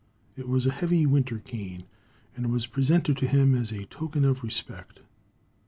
It was a heavy winter cane, and was presented to him as a token of respect.